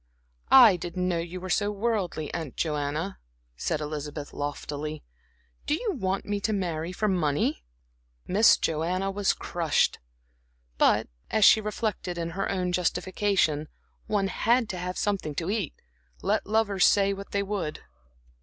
"I didn't know you were so worldly, Aunt Joanna," said Elizabeth, loftily. "Do you want me to marry for money?" Miss Joanna was crushed. But as she reflected in her own justification, one had to have something to eat, let lovers say what they would.